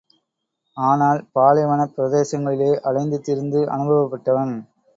ஆனால் பாலைவனப் பிரதேசங்களிலே அலைந்து திரிந்து அனுபவப்பட்டவன்.